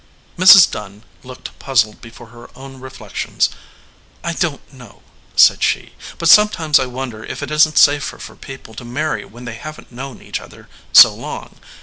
Mrs. Dunn looked puzzled before her own re flections. "I don t know," said she, "but some times I wonder if it isn t safer for people to marry when they haven t known each other so long.